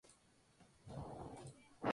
Su familia formaba parte de la nobleza local.